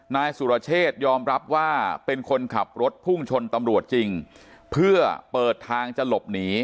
นายสุรเชษยอมรับว่าเป็นคนขับรถพุ่งชนตำรวจจริงเพื่อเปิดทางจะหลบหนี